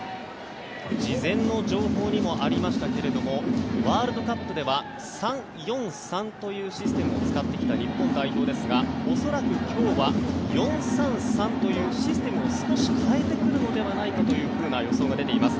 事前の情報にもありましたがワールドカップでは３ー４ー３というシステムを使ってきた日本代表ですが恐らく今日は４−３−３というシステムに少し変えてくるのではないかという予想が出ています。